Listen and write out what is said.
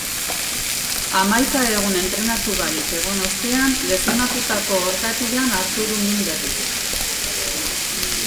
Hamaika egun entrenatu barik egon ostean, lesionatutako orkatilan hartu du min berriz.